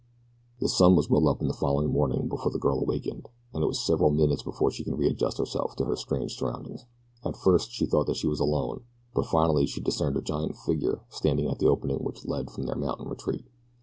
The sun was well up the following morning before the girl awakened, and it was several minutes before she could readjust herself to her strange surroundings. At first she thought that she was alone, but finally she discerned a giant figure standing at the opening which led from their mountain retreat.